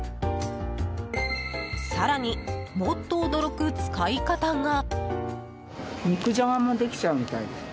更に、もっと驚く使い方が。